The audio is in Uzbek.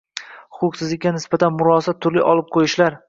huquqsizlikka nisbatan «murosa», turli olib qo‘yishlar